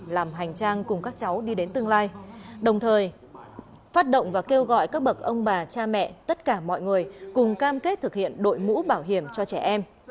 làm hành trang cùng các cháu đi đến tương lai đồng thời phát động và kêu gọi các bậc ông bà cha mẹ tất cả mọi người cùng cam kết thực hiện đội mũ bảo hiểm cho trẻ em